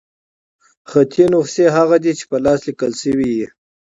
خطي نسخه هغه ده، چي په لاس ليکل سوې يي.